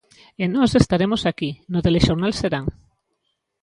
E nós estaremos aquí no Telexornal Serán.